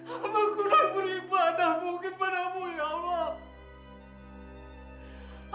amakunah beribadahmu kepadamu ya allah